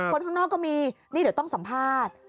คนข้างนอกก็มีนี่เดี๋ยวต้องสัมภาษณ์